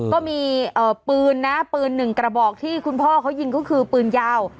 ก็มีปืนนะปืนหนึ่งกระบอกที่คุณพ่อเขายิงก็คือปืนยาว